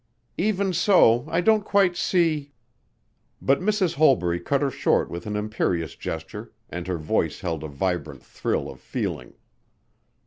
"Even so I don't quite see " But Mrs. Holbury cut her short with an imperious gesture and her voice held a vibrant thrill of feeling.